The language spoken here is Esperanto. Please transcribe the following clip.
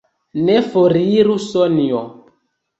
Ne foriru, Sonjo!